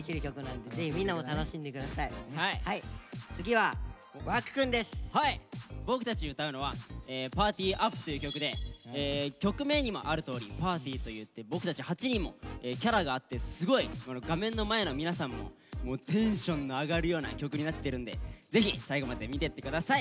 はい僕たちが歌うのは「Ｐａｒｔｙｕｐ！」という曲で曲名にもあるとおりパーティーといって僕たち８人もキャラがあってすごい画面の前の皆さんもテンションの上がるような曲になってるんでぜひ最後まで見てって下さい！